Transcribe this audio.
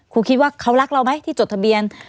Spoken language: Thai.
คิดว่าเขารักเราไหมที่จดทะเบียน